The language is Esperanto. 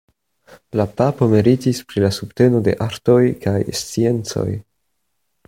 La papo meritis pri la subteno de artoj kaj sciencoj.